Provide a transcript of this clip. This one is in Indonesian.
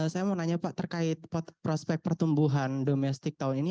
saya mau nanya pak terkait prospek pertumbuhan domestik tahun ini